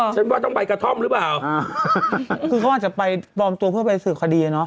ฉันว่าต้องไปกระท่อมหรือเปล่าคือเขาอาจจะไปปลอมตัวเพื่อไปสืบคดีอ่ะเนาะ